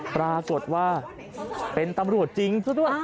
ปรากฏว่าเป็นตำรวจจริง